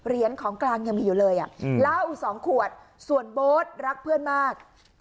ของกลางยังมีอยู่เลยเหล้าอีก๒ขวดส่วนโบ๊ทรักเพื่อนมาก